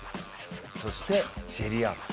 そしてシェリーアン。